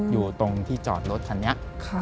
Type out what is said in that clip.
อยู่ตรงที่จอดรถคันนี้